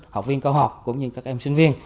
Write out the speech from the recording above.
học viên cao học cũng như các em sinh viên